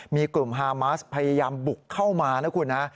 มีกลุ่มฮามาสพยายามบุกเข้ามานะคุณนะ